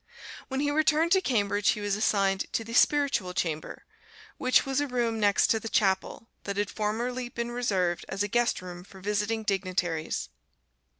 When he returned to Cambridge he was assigned to the "spiritual chamber," which was a room next to the chapel, that had formerly been reserved as a guest room for visiting dignitaries.